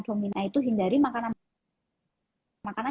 dominan itu hindari makanan